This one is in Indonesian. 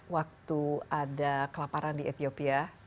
waktu ada kelaparan di ethiopia